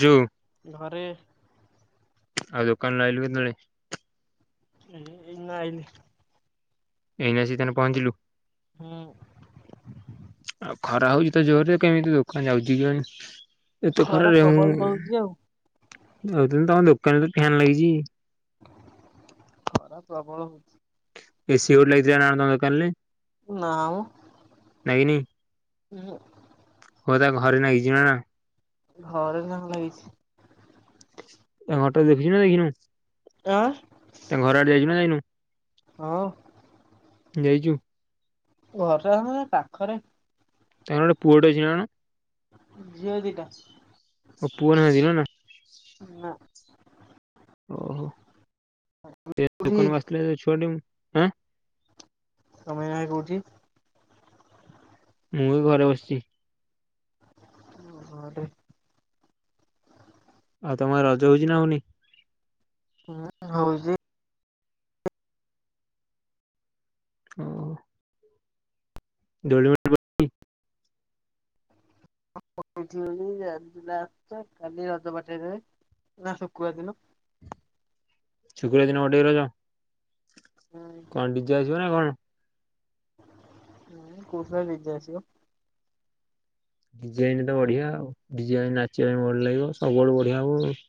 ଯୋଉ ଘରେ। ଆଉ ଦୋକାନ ରୁ ଆଇଲୁ କେତେବେଳେ? ଏଇ ନା ଆଇଲି। ଏଇନା ଆସି ତାହେନେ ପହଞ୍ଚିଲୁ। ହୁଁ। ଆଉ ଖରା ହଉଛି ତ ଜୋରରେ କେମିତି ଦୋକାନ ଯାଉଛି କେଜାଣି? ଖରା ପ୍ରବଲ ଦଉଛି ଆଉ। ଭାବୁଥିଲି ତମ ଦୋକାନରେ ଫ୍ୟାନ୍ ଲାଗିଛି। ଖରା ପ୍ରବଳ ହଉଛି। ଏସି ଗୋଟେ ଲାଗି ଥିଲା ନା କଣ ତମ ଦୋକାନଲେ? ନାଁ ମ ଉହୁଁ। ଓ ତା ଘରେ ନାଗିଛି ନା। ଘରେ ଯାହା ଲାଗିଛି। ତା ଘର ଟା ଦେଖିଛୁନା ଦେଖିନୁ? ଆଁ ତା ଘର ଆଡ଼େ ଯାଇଛୁ ନା ଯାଇନୁ? ହଅ। ଯାଇଛୁ ଘରେ ଆମ ଏ ପାଖରେ। ତାଙ୍କର ପୁଅଟେ ଝିଅ ନା। ଝିଅ ଦିଇଟା। ଓ ପୁଅ ନହାନ୍ତିି ନୁହୁଁ ନା। ନା ଓହୋ ସେ କୋଉଠି ଦୁକାନକୁ ଆସିଥିଲା ଯୋଉ ଛୁଆଟେ। ଆଁ ତମେ ଏଇନା କୋଉଠି। ମୁଁ ଏ ଘରେ ବସିଚି। ଘରେ ଆଉ ତମ ଆଡ଼େ ରଜ ହୋଉଚି ନା ହୋଉନି। ହୁଁ ହଉଚି। ଓ [unintelligible] [unintelligible] ଆଜି ଲାଷ୍ଟେ କାଲି ରଜ ପଠେଇଦବେ ନା ଶୁକ୍ରୁବାର ଦିନ। ଶୁକ୍ରୁବର ଦିନ କଟେଇବୁ ରଜ। କଣ ଡ଼ି ଜେ ବାଜିବ ନା କଣ। ହୁଁ କୋହୁଥିଲା ଡ଼ି ଜେ ଆସିବ। ଡ଼ି ଜେ ଆଇନେ ତ ବଢିଆ ଆଉ। ଡ଼ି ଜେ ଆଇଲେ ନାଚିବା ପାଇଁ ମୁଡ଼୍ ଲାଗିବ ସବୁଆଡ଼ୁ ବଢ଼ିଆ ହବ ଆଉ।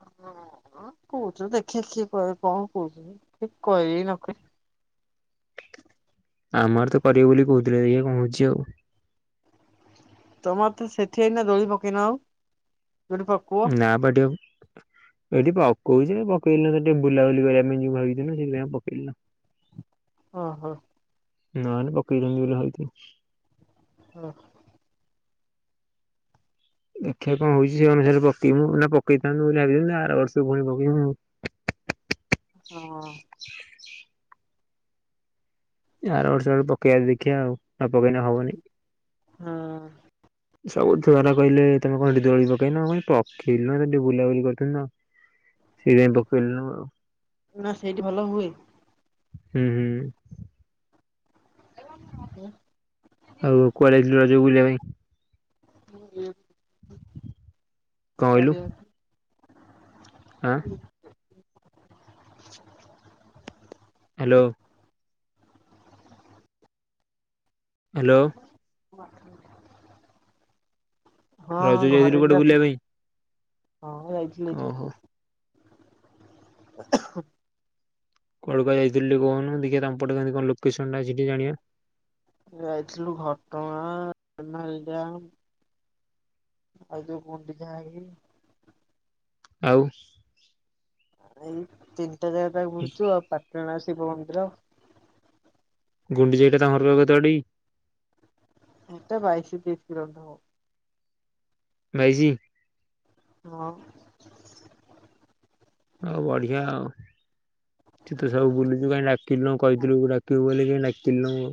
[unintelligible] କୋଉଚୁ ଦେଖିଆ କିଏ କହିବ କଣ କୋଉଚୁନ୍ତି କଇବେ କି ନ କଇବେ। ଆମ ଆଡ଼େ ତ କରିବେ ବୋଲି କୋହୁଥିଲେ ଦେଖିଆ କଣ ହୋଉଚି ଆଉ। ତମ ଆଡ଼େ ତ ସେଠି ଏଇନା ଦୋଳି ପକେଇନ ଆଉ। ଦୋଳି ପକୁଅ ନା [unintelligible] ଏଠିପା ଅ କହୁଚି ଯେ ପକେଇଲିନି ତ ଟିକେ ବୁଲାବୁଲି କରିବା ପାଇଁ ଯିବି ଭାବିଥିଲି ନା ସେଇଥିପାଇଁ ଆଉ ପକେଇଲିନି। ଅ ହୋ ନହେନେ ପକେଇବିନି ବୋଲି ଭାବିଥିଲି। ଓଃ ଦେଖିଆ କଣ ହୋଉଚି ସେ ଅନୁସାରେ ପକେଇବୁ ନା ପକେଇଥାନ୍ତୁ ବୋଲି ଭାବିଥାନ୍ତୁ ଆର ବର୍ଷ ପୁଣି ପକେଇବୁ। ଅ [inaudible] ଆର ବର୍ଷ ଆଡ଼ୁକୁ ପକେଇବା ଦେଖିବା ଆଉ। ନ ପକେଇନେ ହବନି। ହଁ ସବୁ ଛୁଆରା କହିଲେ ତମେ କଣ ଏଠି ଦୋଳି ପକେଇନ। ମୁଁ କହିଲି ପକେଇଲୁନୁ ଟିକେ ବୁଲାବୁଲି କରୁଥିଲୁ ତ ସେଇପାଇଁ ପକେଇଲୁନୁ ଆଉ। ନା ସେଇଠି ଭଲ ହୁଏ। ହୁଁ ହୁଁ ଆଉ କୁଆଡ଼େ ଯାଇଥିଲୁ ରଜକୁ ବୁଲିବା ପାଇଁ। [unintelligible] କଣ କହିଲୁ [unintelligible] ଆଁ [inaudible] ହାଲୋ ହାଲୋ। [inaudible] ରଜ ରେ ଯାଇଥିଲୁ ବି କୁଆଡେ଼ ବୁଲିବା ରଖନ୍ତି ପାଇଁ। ହଁ ଯାଇଥିଲି। ଓହୋ [inaudible] କଳକା ଯାଇଥିଲି କହନୁ ଦେଖିବା ତାଙ୍କପଟ କଣ ଲୋକେସନ ଟା ସେିକି ଜାଣିବା। ଯାଇଥିଲୁ ଘଟଗାଁ ନାଳି ଡ୍ୟାମ୍ ଆଇ ଯଉ ଗୁଣ୍ଡିଚା ନାଗି। ଆଉ ଏ ତିନି ଜାଗା ପାଇଁ ବୁଲିଛୁ ଆଉ ପାଟଣାସୁ ଶିବ ମନ୍ଦିର। ଗୁଣ୍ଡି ଯେଇଟା ତା ଘର କେତେ ବାଟ କି। ଏଟା ବାଇଶ ତତିଶ କିଲୋ ଦେବ। ବାଇଶି? ହଁ। ଆଉ ବଢିଆ ଆଉ ତୁ ତ ସବୁ ବୁଲୁଛୁ କିିଲୁ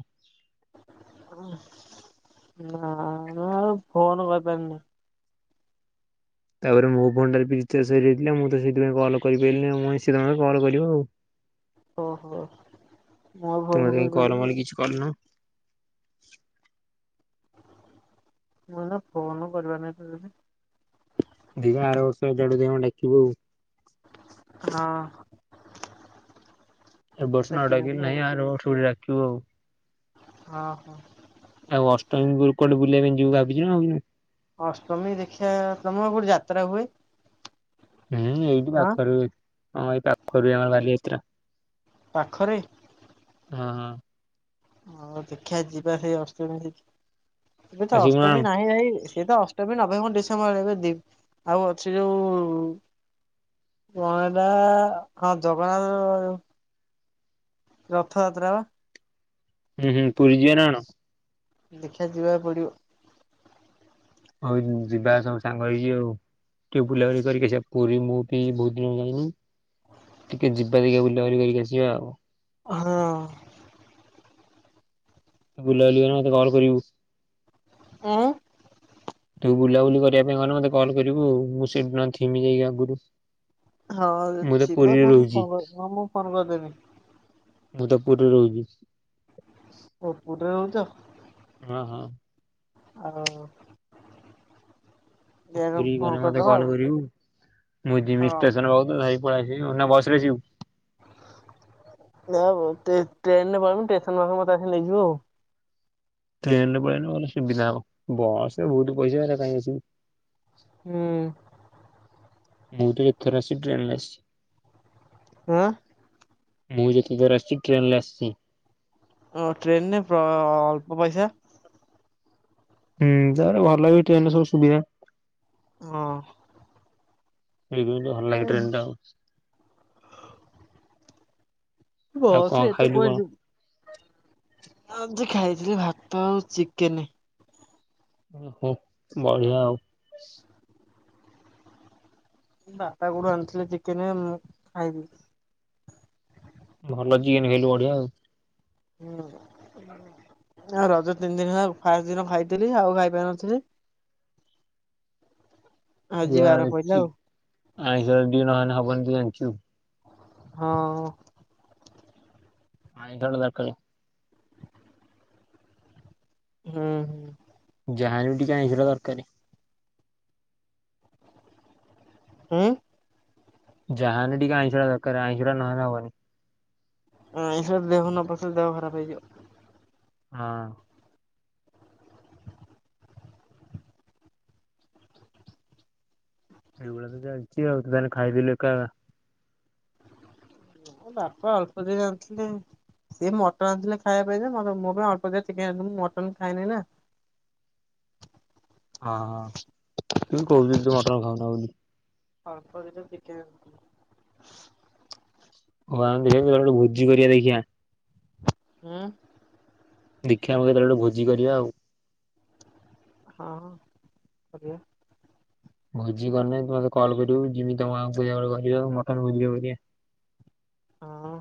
[inaudible] ନା ମୁ ଆ ଫୋନ କରିପାରନି। ତାପରେ ମୋ ଫୋନ ଟା ବି ରିଚାଜସରିଯାଇଥିଲା ମୁଁ ତ ସେଥିପାଇଁ କଲ କରିପାରିଲିନି କଲ କରିବ ଆଉ। ଓହୋ ମୁ ତୁ ମତେ କାଇଁ ଭୟଣ କଲ୍ ମଲ୍ କରିିବ। କିଛି କରିନୁ [inaudible] ମୁଁ ନା ଫୋନ କରିବା ନାଇ ତଦି ଦୀଘ ଆର ବର୍ଷ ଜାଡୁ ଡାକିବୁ ଆଉ ହଁ।। ଏ ବର୍ଷ ନ ଟେକିଦେଲି ଡାକିଲୁ ଆଉ ନାହିଁ ଆର ବର୍ଷ କୁ ଡାକି ହଉ। ହଁ ହଁ। ମ କୁଆଡେ ବୁଲିବା ପାଇଁ ଭାବିଚୁ ନା ଆଉ। ଅଷ୍ଟମୀ ଦେଖିବା ତମ କୋଠି ଯାତ୍ରା ହୁଏ? ହେଁ ଏଇଠି ଆଁ? ପାଖରେ ହଁ ଏଇ ପାଖରେ ଆମର ବାଲି ଯାତ୍ରା। ପାଖରେ? ହଁ ହଁ। ହଁ ଦେଖିବା ଯିବା ସେଇ ଅଷ୍ଟମୀ ଦେଖି। ଏବେ ତ ଆସିବୁ ନା ଅଷ୍ଟମୀ କଣ? ନାହିଁ ଭାଇ ସିଏ ତ ଅଷ୍ଟ ନଭେମ୍ବର ଡିସେମ୍ବରରେ ଏବେ ଦ ଆଉ ଅଛି ଯୋଉ କଣଟା ହଁ ଜଗନ୍ନାଥଉ ରଥଯାତ୍ରା ବା। ହୁଁ ହୁଁ ପୁରୀ ଯେବେ ନା କଣ? ଦେଖିଆ ଯିବାକୁ ପଡିବ ଆଉ। ହଉ ଯିବା ସବୁ ସାଙ୍ଗ ହେଇଯିବ ଆଉ ଟିକେ ବୁଲାବୁଲି କରିକି ଆସିବା ପୁରୀ ମୁଁ ବି ବହୁତ ଦିନ ଯାଇନି ଟିକେ ଯିବା ଟିକେ ବୁଲାବୁଲି କରିକି ଆସିବା ଆଉ। ହଁ। ବୁଲାବୁଲିିବ ମତେ କଲ କରିବୁ। ଉଁ ତୁ ବୁଲାବୁଲି କରିବା ପାଇଁ ଗହଲେ ମତେ କଲ୍ କରିବୁ ମୁଁ ସେଇଠି ନ ଥିମି ଯାଇକି ଆଗରୁ ହଁ ମୁଁ ତ ଥିବ ପୁରୀରେ ନା ମୁଁ ରହୁଛି। ଫ ହଁ ମୁଁ ଫୋନ କରିଦେବି। ମୁଁ ତ ପୁରୀରେ ରହୁଛି। ଓ ପୁରୀରେ ରହୁଛ। ହଁ ହଁ। ଆଉ ଦେଖିଆ ପୁରୀ ଫୋନ ଗଲେ ମତେ କରିଦବା କଲ୍ କରିବୁ ମୁଁ ଯିବି ଆଉ ଷ୍ଟେସନ ପାଖକୁ ନେଇ ପଳେଇ ଆସିବି ନା ବସ୍ ରେ ଆସିବୁ? ନାଇଁ ବେ ଟ୍ରେନ୍ ଟ୍ରେନରେ ପଳେଇବି ଷ୍ଟେସନ୍ ପାଖରୁ ମତେ ଆସିକି ନେଇଯିବୁ ଆଉ। ଟ୍ରେନ ରେ ପଳେଇଲେ ଭଲ ସୁବିଧା ହବ ବସରେ ବହୁତ ପଇସା ହେଇରା କାଇଁ ଆସିବୁ। ହୁଁ। ମୁଁ ତ ଏଥର ଆସି ଟ୍ରେନରେ ଆସିଛି। ହଁ। ମୁଁ ଯେତେ ଥର ଆସିଛି ଟ୍ରେନରେ ଆସିଛି। ହଁ ଟ୍ରେନରେ ଅଳ୍ପ ପଇସା। ହୁଁ ତାର ଭଲ ବି ଟ୍ରେନରେ ସବୁ ସୁବିଧା। ହଁ। ଏଇ ଭଲ ଲାଗିବ ଟ୍ରେନ୍ ଟା ବସରେ ଏତେ କଣ ଏନ୍ତି ଆଜି ଖାଇଥିଲି ଭାତ ଆଉ ଚିକେନେ। ଓ ହୋ ବଢିଆ ଆଉ। ବାପା କୋଉଠୁ ଆଣିଥିଲେ ଚିକେନ ମୁଁ ଖାଇବି ଭଲ ଜିନ୍ ଖାଇଲୁ ବଢ଼ିଆ ଆଉ। ହୁଁ ଆ ରଜ ତିନି ଦିନ ହେଲା ଫାଷ୍ଟ ଦିନ ଖାଇଥିଲି ଆଉ ଖାଇପାରୁିନଥିଲି ଜାଣିଚି ଆଇଁଷ ଯଦି ନହେନେ ହବନି ତୁ ଜାଣିଚୁ ହଁ। [unintelligible] ହୁଁ ହୁଁ। ଯାହାହେଲେ ବି ଟିକେ ଆଇଁଷ ଟା ଦରକାରେ। ହୁଁ। ଯାହାହେନେ ଟିକେ ଆଇଁଷ ଟା ଦରକାରେ ଆଇଁଷଟା ନହେଲେ ହବନି। ହଁ ଏଇସବୁ ବିଭିନ୍ନ ପ୍ରକାର ଦେହ ଖରାପ ହେଇଯିବ। ହଁ। ଏଇଗୁଡା ତ ଚାଲିଚି ଆଉ ତୁ ଖାଲି ଖାଇଦେଲୁ ଏକା ଏକା। ମୋ ବାପା ଅଳ୍ପ ଦିନ ଆଣିଥିଲେ ସିଏ ମଟନ ଆଣିଥିଲେ ଖାଇବା ପାଇଁ ଯେ ମୋ ପାଇଁ ଅଳ୍ପ ଟିକେ ଚିକେନ ଆଣିଥିଲେ ମୁଁ ମଟନ ଖାଏନେଇ ନା। ହଁ ହଁ ତୁ କହୁଥିଲୁ ଟି ମଟନ ଖାଉନା ବୋଲି। ଅଳ୍ପ ଦିଟା ଚିକେନ ଆଣି ହଁ ଆମେ ସେମିତି ଗୋଟେ ଭୋଜି କରିବା ଦେଖିିବା। ହୁଁ। ଦେଖିବା ଆମେ କେତେବେଳେ ଗୋଟେ ଭୋଜି କରିବା ଆଉ। ହଁ କରିବା। ଭୋଜି କରିନେ ତୁ ମତେ କଲ୍ କରିବୁ ମୁଁ ଜିମି ତମ ଗାଁକୁ ପୂଜା ବେଳକୁ ହୋଲି ହଉ ମଟନ୍ ଭୋଜିଟେ କରିବା। ହଁ।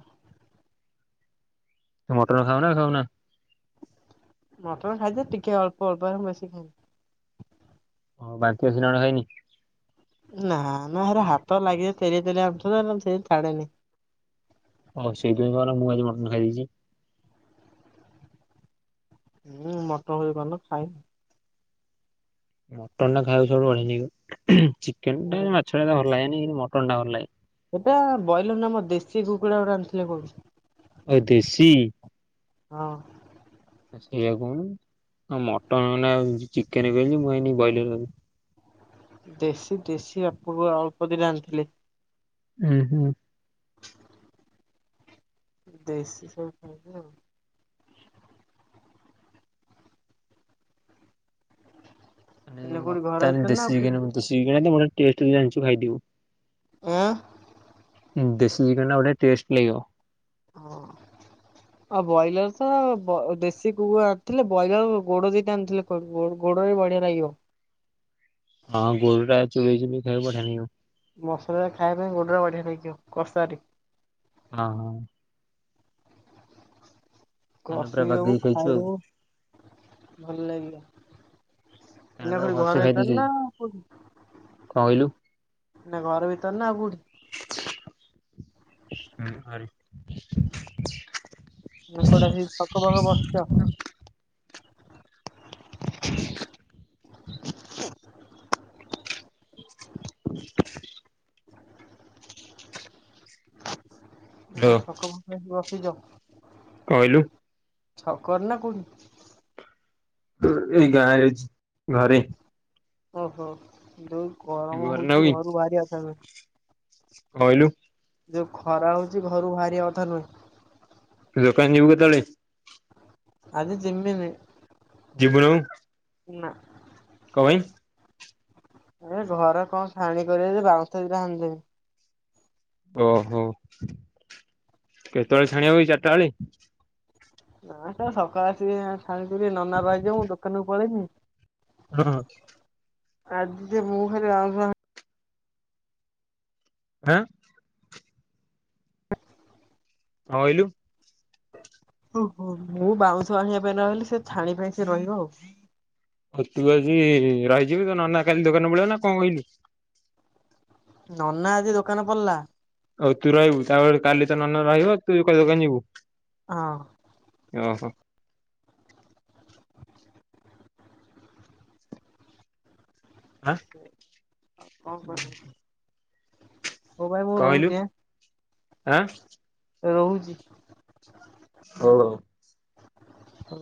ତୁ ମଟନ ଖାଉ ନା ଖାଉନା? ମଟର ଖାଇଛି ଯେ ଟିକେ ଅଳ୍ପ ଅଳ୍ପ ବେଶି ଖାଇ ଓ ବାନ୍ତି ଅଛି ନାଁ କଣ ହେଇନି? ନାଁ ନାଁ ହେରା ହାତ ଲାଗିଯା ତେଲିଆ ତେଲିଆ ଅଂଶ ଯେ ସେ ଛାଡେନି। ଓହଃ ସେଇଥିପାଇଁ କହ ମୁଁ ଆଜି ମଟନ ଖାଇ ଦେଇଛି। ମୁଁ ମଟ [unintelligible] ଖାଇନି। ମଟନ ଟା ଖାଇବାକୁ ସବୁଠୁ ବଢିଆ ନାଗିବ। ଚିକେନ୍ ଟା ଖାଇବି। ମାଛ ଟା ଭଲ ଲାଗେନି। ମଟନ ଟା ଭଲ ଲାଗେ। ସେଟା ବ୍ରଏଲର ନାମର ଦେଶୀ କୁ କୁଡ଼ା ଗୋଟେ ଆଣିଥିଲେ କହୁଚି। ଅ ଦେଶୀ। ହଁ। ସେଇଆ କହୁନୁ। ମଟନ ନାଁ ଚିକେନ୍ ବେଲି ମୁଁ ଭାବିନି ବ୍ରଏଲର [unintelligible] ଦେଶୀ ଦେଶୀ ଆପକୁ ଅଳ୍ପ ଦିଟା ଆଣିଥିଲେ। ହୁଁ ହୁଁ। [inaudible] ଦେଶୀ ସହ ଖାଇବେ ଆଉ। ଏଇନା କୋଉଠି ଘର ମକାନ୍ ଭିତରେ ନା ଆଉ ଦେଶୀ କୋଉଠି? [unintelligible] ଟେଷ୍ଟ ରୁ ଜାଣିଚୁ ଖାଇଦିବୁ। ଆଁ। ଦେଶୀ ଚିକେନ୍ ଟା ବଢିଆ ଟେଷ୍ଟ୍ ଲାଗିବ। ହଁ ଆଉ ବ୍ରଏଲର ତ ଦେଶୀ କୁକୁ ଆଣିଥିଲେ ବ୍ରଏଲର ଗୋଡ ଦିଟା ଆଣିଥିଲେ ଗୋଡରେ ବଢିଆ ଲାଗିବ। ହଁ ଗୋରୁଟା ଚୁବେ ଚୁବେଇ ଖାଇବୁ ବଢିଆଁ ନାଇଁମ। ମସଲା ଟା ଖାଇବା ପାଇଁ ଗୋଡଟା ବଢିଆ ଲାଗିବ କଷାରେ। ହଁ ହଁ। ମାନେ ପୁରା କଷିଦବୁ ବାଗେଇକି ଖାଇଛୁ ଆଉ। ଖାଇଦବୁ ଭଲ ଲାଗିବ। ଆରେ ଏଇନା ପୁରା କୋଉଠି ଭଲ ଘର ସେ ଭିତରେ ଖାଇଦେଇଛି। ନା କୋଉଠି? କଣ କହିଲୁ? ନା ଘର ଭିତରେ ନା ଆଉ କୋଉଠି? ହୁଁ ଘରେ। ନା କୁଆଡେ ଆସିକି ଛକ ଫକ ବସଚ୍। [inaudible] [inaudible] ନା କଉ ହ୍ୟାଲୋ ଛକ ଫକ ହେଇଥିବ। ବିଯ। କହିଲୁ। ଛକର ନା କୋଉଠି? ଏଇ ଗାଁ ରେ ଅଛି ଘରେ। ଓହୋ ଦୁଇ ଗରମ ଘରେ ନାହୁଁ ହଉଛିି କି କଣ ଘରୁ ବାହାରିିବାଥା ନୁହେଁ। କହିଲୁ। ଯଉ ଖରା ହଉଛି ଘରୁ ବାହାରିବା କଥା ନୁହେଁ। ଦୋକାନ ଯଉ ଗ ତାଳି ଆଜି ଜିମିନ ଯିବୁନୁ ଅୂ କହ ଏ ଘର କଣ ଛାଣି କରିବ ବାଉଁଶ ଦଟା ହାଣିେନି ଓହୋ କେତେବେଳେ ଛାଣିବା ହ ଚାରିଟା ବେଳେ ନା ସ ସକାଳ ଅସି ଖାଣିଥିଲ ନନା ଭାଇଜ ମୁଁ ଦୋକାନକୁ ପଳେଇନି ହଁ ଆଜିିତ ମୋହରେ ଆ ହଁ ହଁ ୋଇଲୁ ଓ ହ ମୁଁ ବାଉଁଶ ଆଣିବା ପାଇଁ ରହିଲି ସେ ଛାଣି ପାଇଁ ସେ ରହିବ ଆଉ ହଁ ତୁ ଆଜି ରହିଯିବୁ ତ ନ ନା କାଲି ଦୋକାନ ପଳଆ ନା କଣ କହିଲୁ ନନା ଆଜି ଦୋକାନ ପଡିଲା ହଉ ତୁ ରହିବୁ ତାପରେ କାଲି ତ ନେଲେ ରହିବ ତୁ କା ଦୋକାନ ଯିବୁ ହଁ ହଶ ଆଁ ସେ କଣ କରିବୁ ହଉ ଭାଇ ବୋଉ କଣ କହିଲୁ ରହୁଛି ଆଁ ରହୁଛି ହଁ ହ